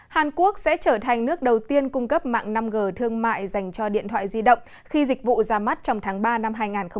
hàn quốc sẽ trở thành nước đầu tiên cung cấp mạng năm g thương mại dành cho điện thoại di động khi dịch vụ ra mắt trong tháng ba năm hai nghìn hai mươi